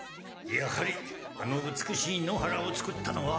やはりあの美しい野原をつくったのは。